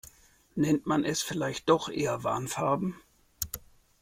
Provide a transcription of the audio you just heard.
Nennt man es vielleicht doch eher Warnfarben.